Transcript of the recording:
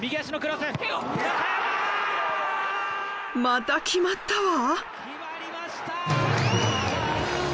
また決まったわ！